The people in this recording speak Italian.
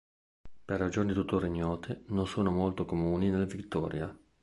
Per ragioni tuttora ignote, non sono molto comuni nel Victoria.